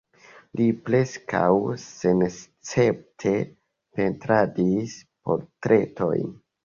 Li preskaŭ senescepte pentradis portretojn.